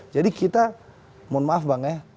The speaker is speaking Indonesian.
jadi kita mohon maaf bang ya